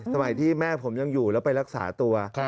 สมัยที่แม่ผมยังอยู่แล้วไปรักษาตัว